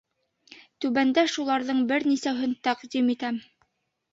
Түбәндә шуларҙың бер нисәүһен тәҡдим итәм.